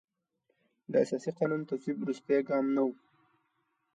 د اساسي قانون تصویب وروستی ګام نه و.